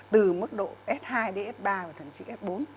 từ mức độ s hai đến s ba và thậm chí s bốn